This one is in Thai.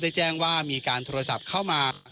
แจ้งว่ามีการโทรศัพท์เข้ามา